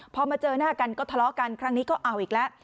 พอมาเจอหน้ากันก็ทะเลาะกันครั้งนี้ก็เอาอีกแล้ว